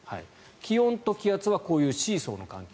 気温と気圧はこういうシーソーの関係。